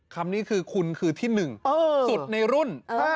คำนี้คือคุณคือที่๑สุดในรุ่น